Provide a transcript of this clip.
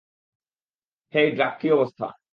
হেই, Drake, কী অবস্থা?